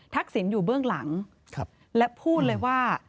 สินอยู่เบื้องหลังและพูดเลยว่า